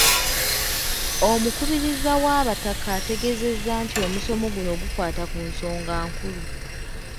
Omukubiriza w’abataka, ategeezezza nti omusomo guno gukwata ku nsonga nkulu.